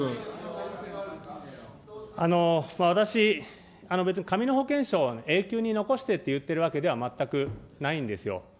私、別に紙の保険証を永久に残してって言ってるわけでは全くないんですよ。